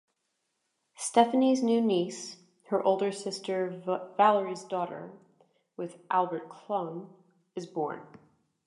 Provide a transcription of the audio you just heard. Stephanie's new niece, her older sister Valerie's daughter with Albert Kloughn, is born.